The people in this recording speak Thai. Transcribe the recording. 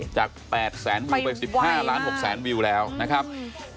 จากแปดแสนวิวไปสิบห้าล้านหกแสนวิวแล้วนะครับอืม